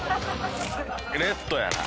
レッドやな。